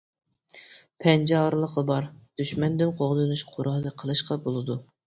پەنجە ئارىلىقى بار، دۈشمەندىن قوغدىنىش قورالى قىلىشقا بولىدۇ.